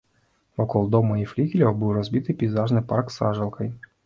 Вакол дома і флігеляў быў разбіты пейзажны парк з сажалкай.